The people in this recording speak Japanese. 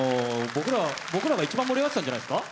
僕らが一番盛り上がっていたんじゃないですか？